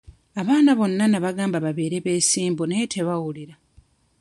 Abaana bonna nnabagamba babeere beesimbu naye tebawulira.